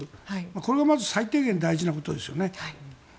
これが最低限大事なことですよね。